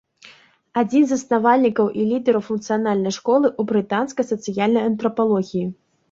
Адзін з заснавальнікаў і лідараў функцыянальнай школы ў брытанскай сацыяльнай антрапалогіі.